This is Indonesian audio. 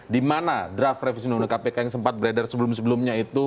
di mana draft revisi undang undang kpk yang sempat beredar sebelum sebelumnya itu